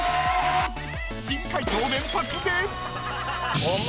［珍解答連発で］